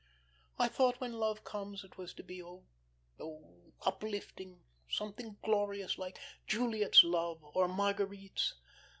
I thought when love came it was to be oh, uplifting, something glorious like Juliet's love or Marguerite's.